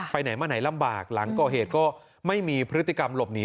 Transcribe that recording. ไหนมาไหนลำบากหลังก่อเหตุก็ไม่มีพฤติกรรมหลบหนี